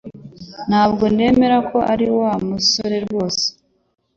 Ntabwo nemera ko ari Wa musore rwose